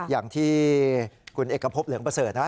อย่างที่คุณเอกพบเหลืองเบอร์เสิร์ฟนะคะ